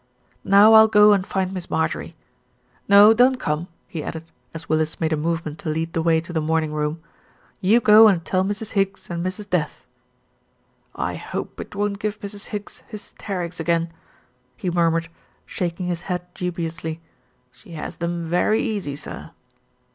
"Now I'll go and find Miss Marjorie. No, don't come," he added, as Willis made a movement to lead the way to the morning room. "You go and tell Mrs. Higgs and Mrs. Death." "I hope it won't give Mrs. Higgs hysterics again," he murmured, shaking his head dubiously. "She has them very easy, sir."